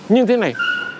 nhưng thế này